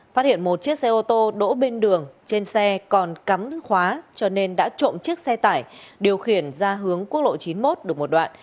phát hiện một chiếc xe ô tô đỗ bên đường trên xe còn cắm khóa cho nên đã trộm chiếc xe tải điều khiển ra hướng quốc lộ chín mươi một được một đoạn